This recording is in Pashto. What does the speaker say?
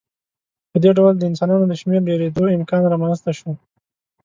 په دې ډول د انسانانو د شمېر ډېرېدو امکان رامنځته شو.